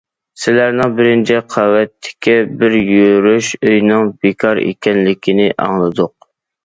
سىلەرنىڭ بىرىنچى قەۋەتتىكى بىر يۈرۈش ئۆينىڭ بىكار ئىكەنلىكىنى ئاڭلىدۇق.